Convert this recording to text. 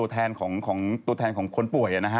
ตัวแทนของคนป่วยนะฮะ